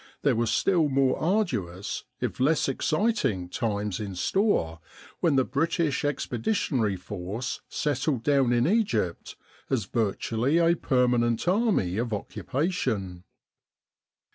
in Egypt there were still more arduous, if less exciting, times in store when the British Expeditionary Force settled down in Egypt as virtually a permanent Army of Occupation.